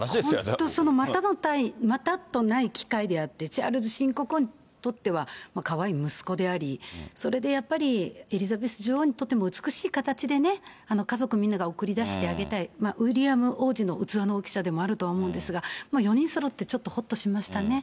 本当、またとない機会であって、チャールズ新国王にとっては、かわいい息子であり、それでエリザベス女王にとっても美しい形でね、家族みんなが送り出してあげたい、ウィリアム王子の器の大きさでもあるとは思うんですが、４人そろってちょっとほっとしましたね。